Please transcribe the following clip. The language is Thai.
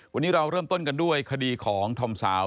วันนี้เราเริ่มต้นกันด้วยคดีของธอมสาว